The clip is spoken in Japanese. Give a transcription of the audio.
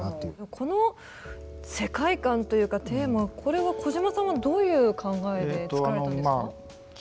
この世界観というかテーマこれは小島さんはどういう考えでつくられたんですか？